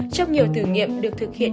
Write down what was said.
trong nhiều thử nghiệm được thực hiện